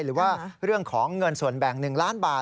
หรือว่าเรื่องของเงินส่วนแบ่ง๑ล้านบาท